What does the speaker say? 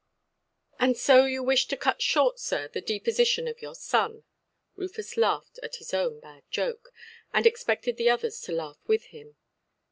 "And so you wish to cut short, sir, the deposition of your son". Rufus laughed at his own bad joke, and expected the others to laugh with him.